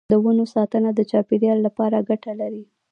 د ونو ساتنه د چاپیریال لپاره ګټه لري.